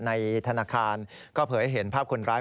ใส่เสื้อผ้าเสื้อยืดเสื้อเฉิง